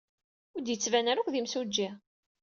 Ur d-yettban ara akk d imsujji.